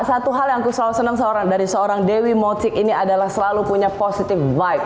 satu hal yang aku selalu seneng dari seorang dewi motic ini adalah selalu punya positive vibe